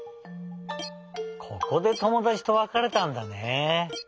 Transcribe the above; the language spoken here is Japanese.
ここでともだちとわかれたんだね。